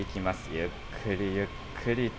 ゆっくりゆっくりと。